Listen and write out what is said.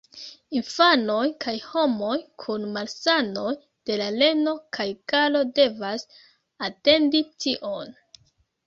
Infanoj kaj homoj kun malsanoj de la reno kaj galo devas atendi tion.